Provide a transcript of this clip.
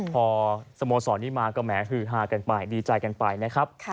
พอสโมสรนี้มาก็แหมฮือฮากันไปดีใจกันไปนะครับ